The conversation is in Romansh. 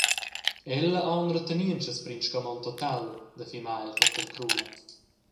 Ella ha aunc retenientschas per in scamond total da fimar el hotel Cruna.